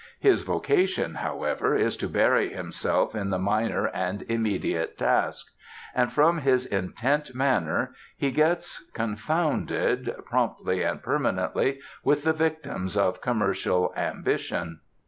His vocation, however, is to bury himself in the minor and immediate task; and from his intent manner, he gets confounded, promptly and permanently, with the victims of commercial ambition.